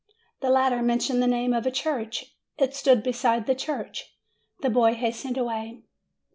The latter mentioned the name of a church; it stood beside the church. The boy hastened away.